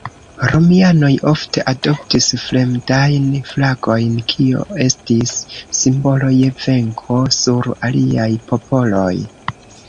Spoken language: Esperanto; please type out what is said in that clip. Romianoj ofte adoptis fremdajn flagojn, kio estis simbolo je venko sur aliaj popoloj.